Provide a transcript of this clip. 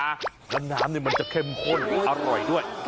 น้ำน้ำนี่มันจะเข้มข้นอร่อยด้วย